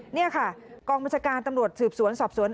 นี่ค่ะกองบัญชาการตำรวจสืบสวนสอบสวน